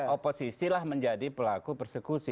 oposisilah menjadi pelaku persekusi